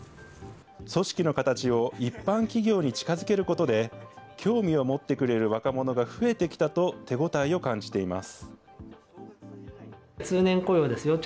組織の形を一般企業に近づけることで、興味をもってくれる若者が増えてきたと、手応えを感じています。